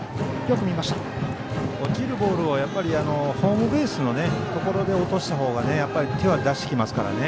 落ちるボールをホームベースのところで落とした方が手は出してきますからね。